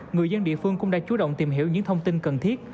người dân địa phương cũng đã chú động tìm hiểu những thông tin cần thiết